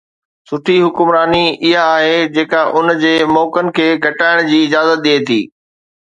سٺي حڪمراني اها آهي جيڪا ان جي موقعن کي گهٽائڻ جي اجازت ڏئي ٿي.